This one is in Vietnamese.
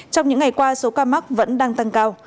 trong những ngày qua số ca mắc vẫn đang tăng cao